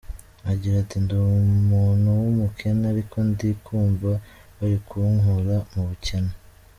Agira ati “Ndi umuntu w’umukene ariko ndi kumva bari kunkura mu bukene.